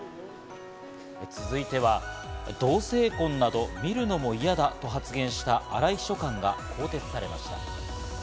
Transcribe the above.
続いては、同性婚など見るのも嫌だと発言した荒井秘書官が更迭されました。